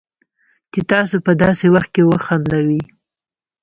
چې تاسو په داسې وخت کې وخندوي